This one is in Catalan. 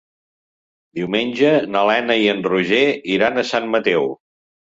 Diumenge na Lena i en Roger iran a Sant Mateu.